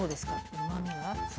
うまみは？